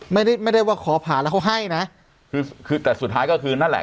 ไม่ได้ไม่ได้ว่าขอผ่านแล้วเขาให้นะคือคือแต่สุดท้ายก็คือนั่นแหละ